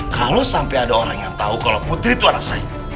kalau sampai ada orang yang tahu kalau putri itu anak saya